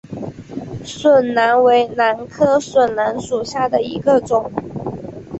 笋兰为兰科笋兰属下的一个种。